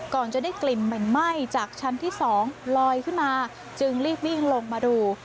ก่อนจะได้กลิ่นเหม็นไหม้จากชั้นที่๒ลอยขึ้นมาจึงรีบวิ่งลงมาดู